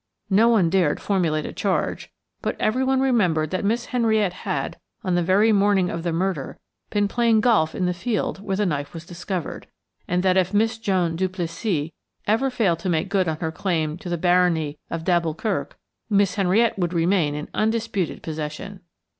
No one dared formulate a charge, but everyone remembered that Miss Henriette had, on the very morning of the murder, been playing golf in the field where the knife was discovered, and that if Miss Joan Duplessis ever failed to make good her claim to the barony of d'Alboukirk, Miss Henriette would remain in undisputed possession.